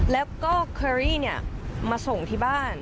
แล้วก็เคอรี่มาส่งที่บ้าน